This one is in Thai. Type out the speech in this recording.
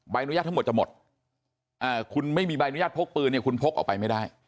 อนุญาตทั้งหมดจะหมดคุณไม่มีใบอนุญาตพกปืนเนี่ยคุณพกออกไปไม่ได้